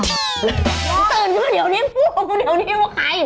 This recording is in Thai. ตื่นก่อนเดี๋ยวนี้พูดก่อนเดี๋ยวนี้ว่าใคร